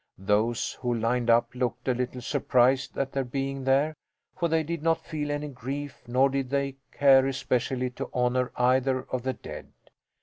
Those who lined up looked a little surprised at their being there, for they did not feel any grief, nor did they care especially to honour either of the dead.